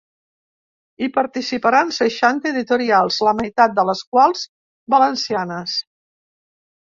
Hi participaran seixanta editorials, la meitat de les quals, valencianes.